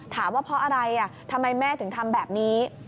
ว่าเพราะอะไรทำไมแม่ถึงทำแบบนี้